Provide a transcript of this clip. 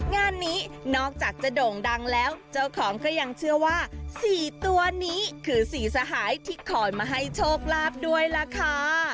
งานนี้นอกจากจะโด่งดังแล้วเจ้าของก็ยังเชื่อว่า๔ตัวนี้คือสี่สหายที่คอยมาให้โชคลาภด้วยล่ะค่ะ